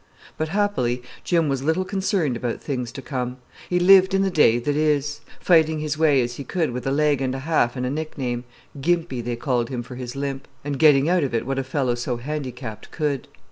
But, happily, Jim was little concerned about things to come. He lived in the day that is, fighting his way as he could with a leg and a half and a nickname, "Gimpy" they called him for his limp, and getting out of it what a fellow so handicapped could.